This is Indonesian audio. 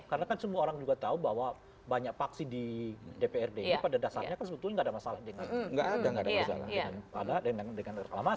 karena kan semua orang juga tahu bahwa banyak paksi di dprd ini pada dasarnya kan sebetulnya enggak ada masalah dengan reklamasi